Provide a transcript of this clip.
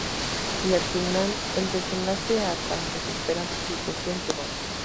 Y al final, el desenlace a tan desesperante situación llegó.